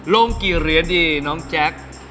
ลงกี่เหรียญดีน้องแจ๊ค